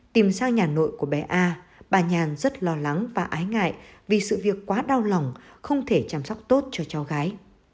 tìm sang nhà nội của bé a bà nhàn rất lo lắng và ái ngại vì sự việc quá đau lòng không thể chăm sóc tốt cho cháu gái